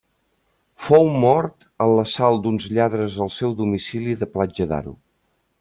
Fou mort en l'assalt d'uns lladres al seu domicili de Platja d'Aro.